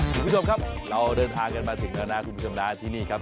คุณผู้ชมครับเราเดินทางกันมาถึงแล้วนะคุณผู้ชมนะที่นี่ครับ